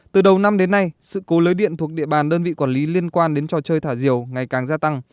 từ đầu năm đến nay sự cố lưới điện thuộc địa bàn đơn vị quản lý liên quan đến trò chơi thả diều ngày càng gia tăng